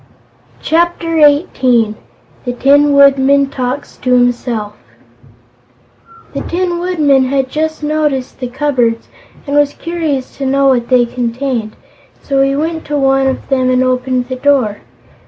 Chapter Eighteen The Tin Woodman Talks to Himself The Tin Woodman had just noticed the cupboards and was curious to know what they contained, so he went to one of them and opened the door.